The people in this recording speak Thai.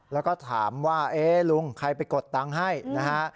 แล้วก็ถามว่าเอ๊ะลุงใครไปกดตังค์ให้นะฮะ